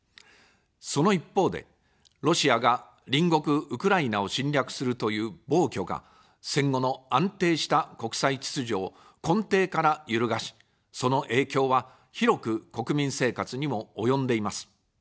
その一方で、ロシアが隣国ウクライナを侵略するという暴挙が、戦後の安定した国際秩序を根底から揺るがし、その影響は広く国民生活にも及んでいます。